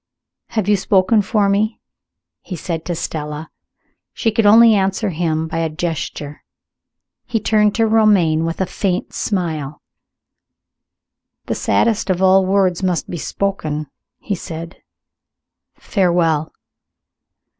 "Have you spoken for me?" he said to Stella. She could only answer him by a gesture. He turned to Romayne with a faint smile. "The saddest of all words must be spoken," he said. "Farewell!"